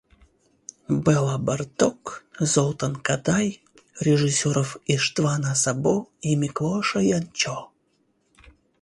Бела Барток, Золтан Кодай, режиссеров Иштвана Сабо и Миклоша Янчо